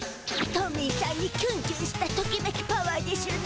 トミーしゃんにキュンキュンしたときめきパワーでしゅな。